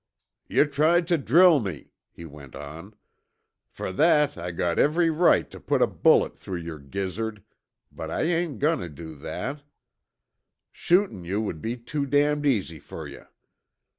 "Yuh tried tuh drill me," he went on. "Fer that I got every right tuh put a bullet through yer gizzard, but I ain't agoin' tuh do that. Shootin' you would be too damned easy fer you.